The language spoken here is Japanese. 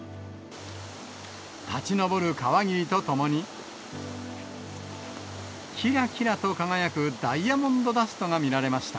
立ち上る川霧とともに、きらきらと輝くダイヤモンドダストが見られました。